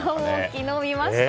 昨日見ました。